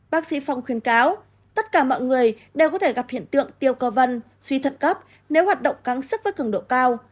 bác sĩ phong khuyên cáo tất cả mọi người đều có thể gặp hiện tượng tiêu cơ văn suy thận cấp nếu hoạt động căng sức với cường độ cao